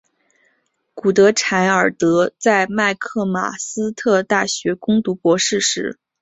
古德柴尔德在麦克马斯特大学攻读博士时对护城洞进行了重新审视。